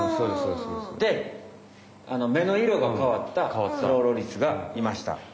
で目の色が変わったスローロリスがいました。